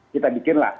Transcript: kita bikin lah